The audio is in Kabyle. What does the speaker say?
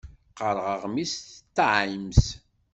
Qqaṛeɣ aɣmis Times.